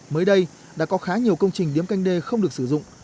mới đây đã có khá nhiều công trình điếm canh đê không được sử dụng